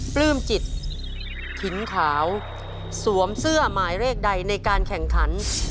ปลื้มจิตถิ่นขาวสวมเสื้อหมายเลขใดในการแข่งขัน